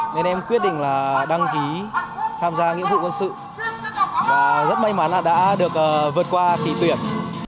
nên em quyết định là đăng ký tham gia nghĩa vụ quân sự và rất may mắn là đã được vượt qua kỳ tuyển